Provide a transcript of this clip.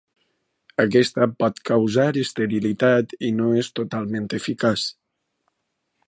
Aquesta pot causar esterilitat i no és totalment eficaç.